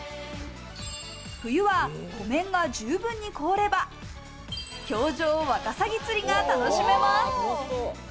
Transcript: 冬は湖面が十分に凍れば、氷上ワカサギ釣りが楽しめます。